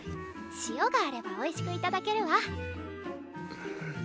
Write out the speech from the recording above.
塩があればおいしく頂けるわ。